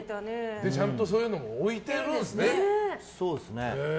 ちゃんとそういうのも置いてるんですね。